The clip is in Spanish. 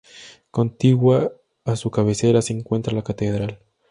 Contigua a su cabecera se encuentra la catedral.